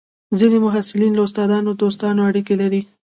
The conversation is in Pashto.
ځینې محصلین له استادانو دوستانه اړیکې لري.